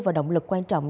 và động lực quan trọng